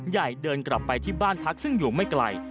เดินกลับไปที่บ้านพักซึ่งอยู่ไม่ไกล